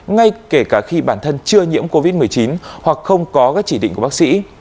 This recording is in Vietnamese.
ngay kể cả khi bản thân chưa nhiễm covid một mươi chín hoặc không có các chỉ định của bác sĩ